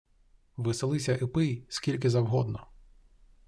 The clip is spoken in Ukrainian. Веселися і пий скільки завгодно!